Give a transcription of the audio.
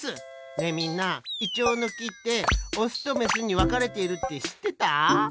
ねえみんなイチョウのきってオスとメスにわかれているってしってた？